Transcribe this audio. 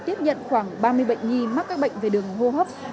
tiếp nhận khoảng ba mươi bệnh nhi mắc các bệnh về đường hô hấp